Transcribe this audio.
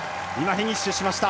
フィニッシュしました。